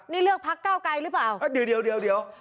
นี่เลือกพักเก้าไกรหรือเปล่าเดี๋ยวเดี๋ยวเดี๋ยวเดี๋ยว